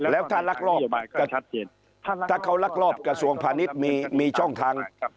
แล้วถ้าลักลอบถ้าเขาลักลอบกระทรวงพาณิชย์มีช่องทาง